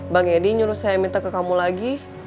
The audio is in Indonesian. bang edi nyusul saya minta ke kamu lagi